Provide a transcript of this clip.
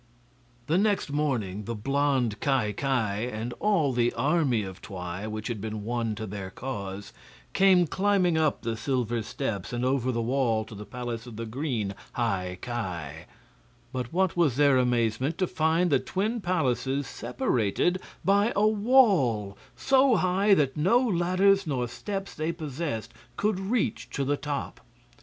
The next morning the blond Ki Ki and all the army of Twi, which had been won to their cause, came climbing up the silver steps and over the wall to the palace of the green High Ki; but what was their amazement to find the twin palaces separated by a wall so high that no ladders nor steps they possessed could reach to the top!